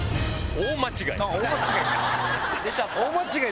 大間違い。